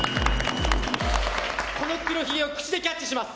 この黒ひげを口でキャッチします。